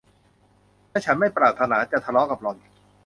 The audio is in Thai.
และฉันไม่ปรารถนาจะทะเลาะกับหล่อน